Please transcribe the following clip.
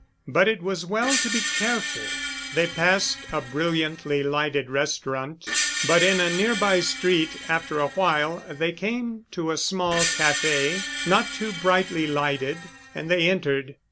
But it was well to be careful. They passed a brilliantly lighted restaurant, but in a nearby street after awhile they came to a small café, not too brightly lighted, and they entered.